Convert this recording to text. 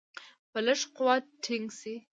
په لږ قوت ټینګ شي.